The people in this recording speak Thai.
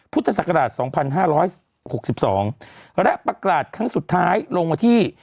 พุทธศักราชสองพันห้าร้อยหกสิบสองและประกาศครั้งสุดท้ายลงมาที่